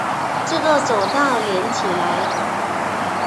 这个走道连起来